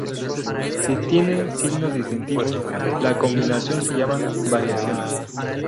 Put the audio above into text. Si tiene signos distintos, la combinación se llama variación.